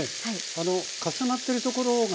あの重なってるところがね